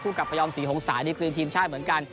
กับพยอมศรีหงษาดีกรีทีมชาติเหมือนกัน